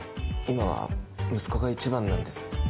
今は息子が一番なんです